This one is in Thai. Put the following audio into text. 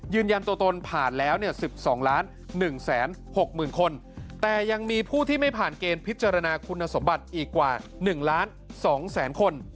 ยืนยันตัวตนผ่านแล้ว๑๒๑๖๐๐๐คนแต่ยังมีผู้ที่ไม่ผ่านเกณฑ์พิจารณาคุณสมบัติอีกกว่า๑ล้าน๒แสนคน